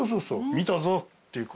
見たぞっていう。